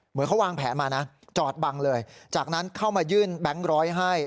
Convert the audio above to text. เหมือนเขาวางแผนมานะจอดบังเลยจากนั้นเข้ามายื่นแบงค์ร้อยให้